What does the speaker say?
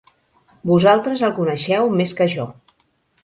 Vosaltres el coneixeu més que jo.